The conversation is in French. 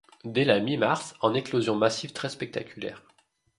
Dès la mi-mars, en éclosions massives très spectaculaires.